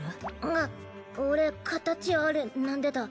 んがっ俺形ある何でだ？